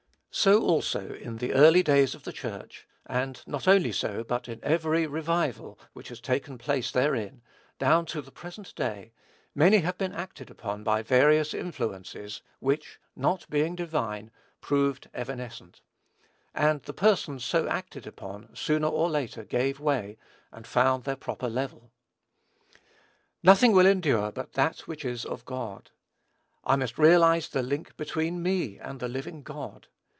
So also, in the early days of the Church; and not only so, but in every revival which has taken place therein, down to the present day, many have been acted upon by various influences, which, not being divine, proved evanescent; and the persons so acted upon sooner or later gave way, and found their proper level. Nothing will endure but that which is of God. I must realize the link between me and the living God.